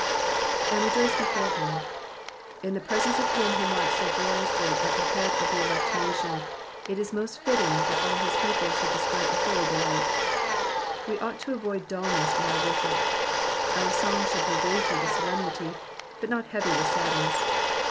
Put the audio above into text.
^^And rejoice before him,^^ In the presence of him who marched so gloriously at the head of the elect nation, it is most fitting that all his people should display a holy delight. We ought to avoid dulness in our worship. Our songs should be weighty with solemnity, but not heavy with sadness.